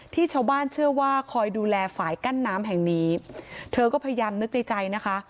ชาวบ้านเชื่อว่าคอยดูแลฝ่ายกั้นน้ำแห่งนี้เธอก็พยายามนึกในใจนะคะ